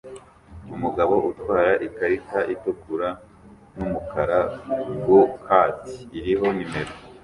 Umugabo utwara ikarita itukura n'umukara go-kart iriho nimero ""